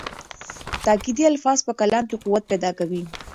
تاکېدي الفاظ په کلام کې قوت پیدا کوي.